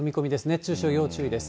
熱中症要注意です。